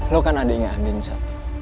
lu kan adiknya andin sa